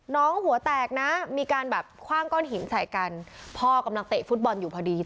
หัวแตกนะมีการแบบคว่างก้อนหินใส่กันพ่อกำลังเตะฟุตบอลอยู่พอดี